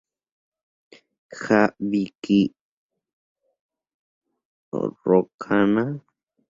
На вікні свіча догасала.